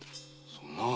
そんな！